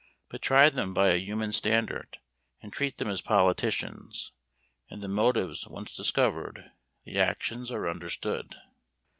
But try them by a human standard, and treat them as politicians, and the motives once discovered, the actions are understood!